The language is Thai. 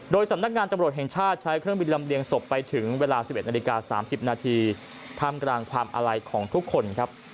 โดยสำนักงานตำรวจแห่งชาติใช้เครื่องบินลำเลียงศพไปถึงเวลา๑๑นาฬิกา๓๐นาทีท่ามกลางความอาลัยของทุกคนครับ